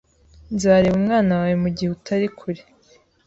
Nzareba umwana wawe mugihe utari kure